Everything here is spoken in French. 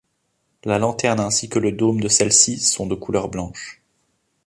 La lanterne ainsi que le dôme de celle-ci sont de couleur blanche.